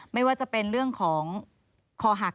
ไม่ว่าจะเป็นเรื่องของคอหัก